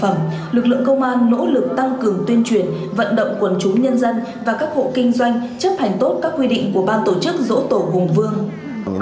chấp hành tốt các quy định của ban tổ chức rỗ tổ hùng vương